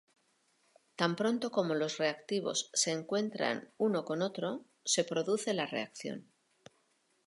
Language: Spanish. Tan pronto como los reactivos se encuentran uno con otro, se produce la reacción.